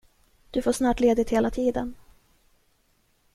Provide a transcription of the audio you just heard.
Du får snart ledigt hela tiden.